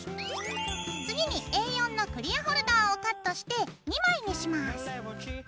次にＡ４のクリアホルダーをカットして２枚にします。